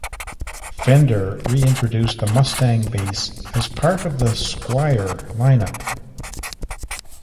Fender reintroduced the Mustang Bass as part of the Squier lineup.